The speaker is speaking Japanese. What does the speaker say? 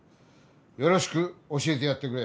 よろしく教えてやってくれ。